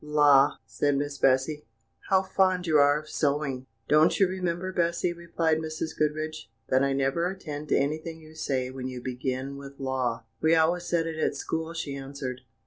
"La!" said Miss Bessy, "how fond you are of sewing!" "Don't you remember, Bessy," replied Mrs. Goodriche, "that I never attend to anything you say when you begin with 'la'!" "We always said it at school," she answered.